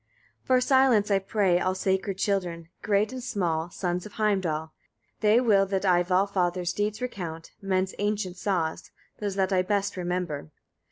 1. For silence I pray all sacred children, great and small, sons of Heimdall, they will that I Valfather's deeds recount, men's ancient saws, those that I best remember.